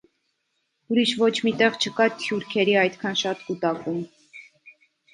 Ուրիշ ոչ մի տեղ չկա թյուրքերի այդքան շատ կուտակում։